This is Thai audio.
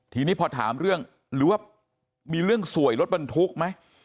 ทีนี้พอถามเรื่องหรือว่ามีเรื่องสวยรถบรรทุกไหม